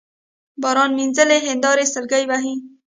باران مينځلي هينداري سلګۍ وهي